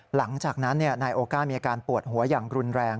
หลังจากนั้นนายโอก้ามีอาการปวดหัวอย่างรุนแรง